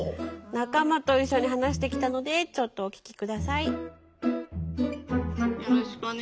仲間と一緒に話してきたのでちょっとお聞き下さい。